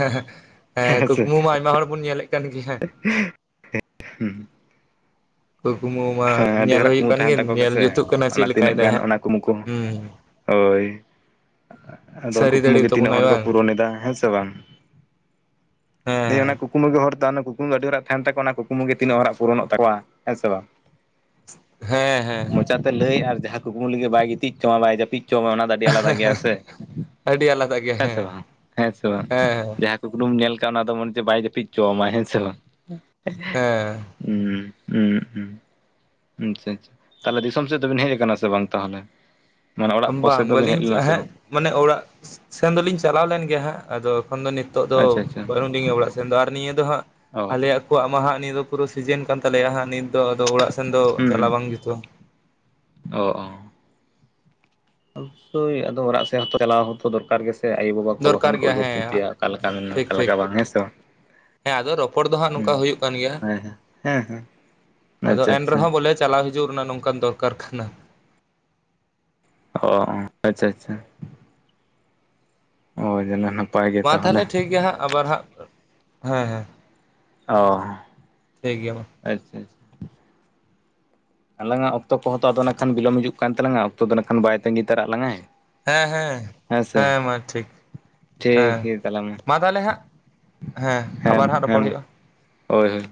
ᱦᱮᱸ ᱠᱩᱠᱢᱩ ᱢᱟ ᱟᱭᱢᱟ ᱦᱚᱲ ᱵᱚᱱ ᱧᱮᱞᱮᱫ ᱠᱟᱱ ᱜᱮᱭᱟ ᱦᱮᱸ ᱦᱩᱸ [unintelligible] ᱠᱩᱠᱢᱩ ᱢᱟ ᱟᱹᱰᱤ ᱧᱮᱞ ᱦᱚᱲᱟᱜ ᱦᱩᱭᱩᱜ ᱠᱩᱢᱩᱴ ᱠᱟᱱ ᱛᱟᱦᱮᱱ ᱜᱮᱭᱟ ᱛᱟᱠᱚ ᱧᱮᱞ ᱜᱮᱥᱮ ᱡᱩᱛᱩᱜ ᱠᱟᱱᱟ ᱪᱮᱫ ᱚᱱᱟ ᱞᱮᱠᱟᱭ ᱛᱤᱱᱟᱹᱜ ᱫᱟᱭ ᱜᱟᱱ ᱦᱟᱸᱜ ᱚᱱᱟ ᱠᱩᱢᱩ ᱠᱚ ᱦᱩᱸ ᱦᱳᱭ ᱟᱫᱚ ᱚᱱᱟ ᱥᱟᱹᱨᱤ ᱠᱩᱠᱢᱩ ᱫᱟᱲᱮ ᱜᱮ ᱛᱤᱱᱟᱹᱜ ᱛᱟᱵᱚᱱᱟᱭ ᱦᱚᱲ ᱠᱚ ᱵᱟᱝ ᱯᱩᱨᱚᱱᱮᱫᱟ ᱦᱮᱸ ᱥᱮ ᱵᱟᱝ ᱫᱤᱭᱮ ᱚᱱᱟ ᱦᱮᱸ ᱠᱩᱠ ᱠᱩᱠᱢᱩ ᱜᱮ ᱦᱚᱨᱛᱮ ᱚᱱᱟ ᱠᱩᱠᱢᱩ ᱟᱹᱰᱤ ᱦᱚᱲᱟᱜ ᱛᱟᱦᱮᱱ ᱛᱟᱠᱚ ᱚᱱᱟ ᱠᱩᱠᱢᱩᱤ ᱛᱤᱹᱜ ᱦᱚᱲᱟᱜ ᱯᱩᱨᱚᱱᱚᱜ ᱛᱟᱠᱚᱣᱟ ᱦᱮᱸ ᱥᱮ ᱵᱟᱝ ᱦᱮᱸ ᱦᱮᱸ ᱢᱚᱪᱟᱛᱮ ᱞᱟᱹᱭ ᱟᱨ ᱡᱟᱦᱟᱸ ᱠᱩᱠᱢᱩ ᱞᱟᱹᱜᱤᱫ ᱵᱟᱭ ᱜᱤᱛᱤᱡ ᱦᱚᱪᱚᱣᱟᱢᱟ ᱵᱟᱭ ᱡᱟᱹᱯᱤᱫ ᱦᱚᱪᱚᱣᱟᱭ ᱚᱱᱟ ᱫᱚ ᱟᱹᱰᱤ ᱟᱹᱰᱤ ᱟᱞᱟᱫᱟ ᱜᱮᱭᱟ ᱥᱮ, ᱟᱹᱰᱤ ᱟᱞᱟᱫᱟ ᱜᱮᱭᱟ ᱦᱮᱸ ᱥᱮ ᱵᱟᱝ ᱦᱮᱸ ᱥᱮ ᱵᱟᱝ ᱦᱮᱸ ᱡᱟᱦᱟᱸ ᱥᱩᱠᱲᱩᱢ ᱧᱮᱞ ᱠᱟᱜ ᱚᱱᱟ ᱫᱚ ᱢᱚᱱᱮ ᱪᱮᱫ ᱵᱟᱭ ᱡᱟᱹᱯᱤᱫ ᱦᱚᱪᱚᱣᱟᱢᱟ ᱦᱮᱸ ᱥᱮ ᱵᱟᱝ ᱦᱮᱸ ᱦᱩᱸ ᱦᱩᱸ ᱟᱪᱪᱷᱟ ᱟᱪᱪᱷᱟ ᱛᱟᱞᱦᱮ ᱫᱤᱥᱚᱢ ᱥᱮᱫ ᱫᱚᱵᱤᱱ ᱦᱮᱡ ᱠᱟᱱᱟ ᱥᱮ ᱵᱟᱝ ᱛᱟᱦᱞᱮ ᱢᱟᱱᱮ ᱚᱲᱟᱜ ᱠᱚ ᱵᱟᱝ ᱥᱮᱫ ᱫᱚ ᱵᱮᱱ ᱦᱮᱡ ᱵᱟᱹᱞᱤᱧ ᱞᱮᱱᱟ ᱥᱮ ᱵᱟᱝ ᱦᱮᱸ ᱢᱟᱱᱮ ᱚᱲᱟᱜ ᱥᱮᱱ ᱫᱚᱞᱤᱧ ᱪᱟᱞᱟᱣ ᱞᱮᱱ ᱜᱮᱭᱟ ᱦᱟᱸᱜ ᱟᱫᱚ ᱮᱠᱷᱚᱱ ᱫᱚ ᱱᱤᱛᱚᱜ ᱫᱚ ᱟᱪᱪᱷᱟ ᱟᱪᱪᱷᱟ ᱵᱟᱹᱱᱩᱜ ᱞᱤᱧᱟᱹ ᱚᱲᱟᱜ ᱟᱨ ᱱᱤᱭᱟᱹ ᱦᱟᱸᱜ ᱚ ᱟᱞᱮᱭᱟᱜ ᱠᱚ ᱢᱟᱜ ᱦᱟᱸᱜ ᱯᱩᱨᱟᱹ ᱥᱤᱡᱤᱱ ᱠᱟᱱ ᱛᱟᱞᱮᱭᱟ ᱦᱟᱸᱜ ᱱᱤᱛ ᱫᱚ ᱟᱫᱚ ᱚᱲᱟᱜ ᱥᱮᱱ ᱥᱮᱱ ᱫᱚ ᱦᱩᱸ ᱦᱩᱸ ᱪᱟᱞᱟᱣ ᱵᱟᱝ ᱡᱩᱛᱩᱜᱼᱟ ᱚ ᱚ ᱟᱵᱳᱥᱚᱭ ᱟᱫᱚ ᱚᱲᱟᱜ ᱥᱮᱫ ᱦᱚᱸ ᱪᱟᱞᱟᱣ ᱦᱚᱸᱛᱚ ᱫᱚᱨᱠᱟᱨ ᱜᱮᱥᱮ ᱥᱮ ᱟᱭᱳᱼᱵᱟ ᱠᱚ ᱫᱚᱨᱠᱟᱨ ᱵᱟᱠᱷᱟᱱ ᱠᱚ ᱜᱮᱭᱟ ᱩᱭᱦᱟᱹᱨ ᱦᱮᱸ ᱪᱤᱱᱛᱟᱹᱭᱟ ᱚᱠᱟ ᱞᱮᱠᱟ ᱢᱮ ᱴᱷᱤᱠ ᱚᱠᱟ ᱴᱷᱤᱠ ᱞᱮᱠᱟ ᱵᱟᱝ ᱦᱮᱸᱥᱮ ᱵᱟᱝ ᱦᱮᱸ ᱟᱫᱚ ᱨᱚᱯᱚᱲ ᱫᱚ ᱦᱟᱸᱜ ᱱᱚᱝᱠᱟ ᱦᱩᱸ ᱦᱩᱭᱩᱜ ᱠᱟᱱ ᱜᱮᱭᱟ ᱦᱮᱸ ᱦᱮᱸ ᱦᱮᱸ ᱦᱮᱸ ᱟᱫᱚ ᱟᱪᱪᱷᱟ ᱮᱱ ᱟᱪᱪᱷᱟ ᱨᱮᱦᱚᱸ ᱵᱚᱞᱮ ᱪᱟᱞᱟᱣ ᱦᱤᱡᱩᱜ ᱨᱮᱱᱟᱜ ᱱᱚᱝᱠᱟᱱ ᱫᱚᱨᱠᱟᱨ ᱠᱟᱱᱟ ᱚ ᱟᱪᱪᱷᱟ ᱟᱪᱪᱷᱟ ᱦᱚᱭ ᱡᱟᱹᱱᱤᱡ ᱦᱟᱜ ᱢᱟ ᱛᱟᱦᱚᱞᱮ ᱴᱷᱤᱠ ᱜᱮᱭᱟ ᱦᱟᱸᱜ ᱟᱵᱟᱨ ᱦᱟᱸᱜ ᱦᱮᱸ ᱦᱮᱸ ᱚ ᱴᱷᱤᱠ ᱜᱮᱭᱟ ᱢᱟ ᱟᱪᱪᱷᱟ ᱟᱪᱪᱷᱟ ᱟᱞᱟᱝᱟᱜ ᱚᱠᱛᱚ ᱠᱚᱦᱚᱸ ᱛᱚ ᱟᱫᱚ ᱱᱟᱜ ᱠᱷᱟᱱ ᱵᱤᱞᱚᱢ ᱦᱤᱡᱩᱜ ᱠᱟᱱ ᱛᱞᱟᱝᱟ ᱚᱠᱛᱚ ᱫᱚ ᱱᱟᱜ ᱠᱷᱟᱱ ᱵᱟᱭ ᱛᱟᱺᱜᱤ ᱛᱟᱨᱟᱜ ᱞᱟᱝᱟᱭ ᱦᱮᱸ ᱦᱮᱸ ᱦᱮᱸ ᱢᱟ ᱴᱷᱤᱠ ᱴᱷᱤᱠ ᱦᱮᱸ ᱜᱮᱭᱟ ᱛᱟᱦᱚᱞᱮ ᱢᱟ ᱛᱟᱦᱚᱞᱮ ᱦᱟᱸᱜ ᱦᱮᱸ ᱟᱵᱟᱨ ᱦᱟᱸᱜ ᱦᱮᱸ ᱨᱚᱯᱚᱲ ᱢᱟ ᱦᱩᱭᱩᱜᱼᱟ ᱦᱳᱭ ᱦᱳᱭ